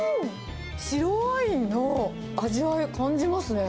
白ワインの味わい感じますね。